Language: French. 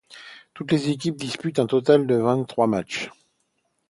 Toutes les équipes disputent un total de vingt-trois matchs.